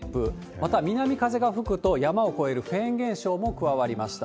また、南風が吹くと、山を越えるフェーン現象も加わりました。